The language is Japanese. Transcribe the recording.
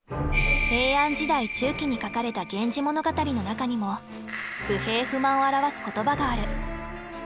平安時代中期に書かれた「源氏物語」の中にも不平不満を表す言葉がある。